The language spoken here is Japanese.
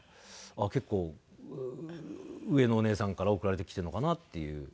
結構上のお姉さんから送られてきてるのかなっていう。